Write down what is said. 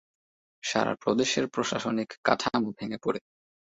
সারা প্রদেশের প্রশাসনিক কাঠামো ভেঙে পড়ে।